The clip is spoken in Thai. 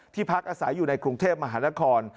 พักอาศัยอยู่ในกรุงเทพมหานคร